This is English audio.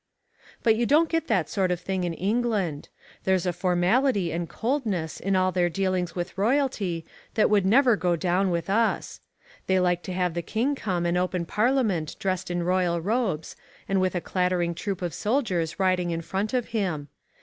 But you don't get that sort of thing in England. There's a formality and coldness in all their dealings with royalty that would never go down with us. They like to have the King come and open Parliament dressed in royal robes, and with a clattering troop of soldiers riding in front of him.